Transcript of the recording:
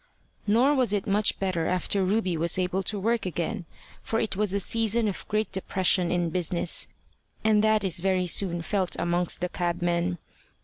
Nor was it much better after Ruby was able to work again, for it was a season of great depression in business, and that is very soon felt amongst the cabmen.